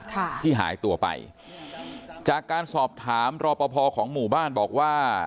ค่ะที่หายตัวไปจากการสอบถามรอปภของหมู่บ้านบอกว่า